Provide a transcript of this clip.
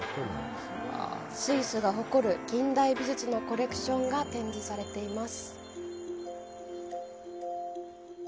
スイスが誇る、近代美術のコレクションが展示されています。